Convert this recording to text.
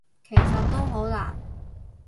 其實都好難